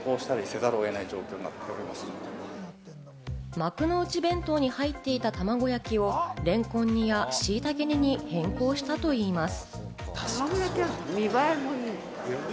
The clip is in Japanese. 幕の内弁当に入っていたたまご焼きをレンコン煮や、しいたけ煮に変更したといいます。